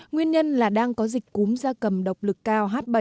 nguyên nhân là đang có dịch cúm da cầm độc lực cao h bảy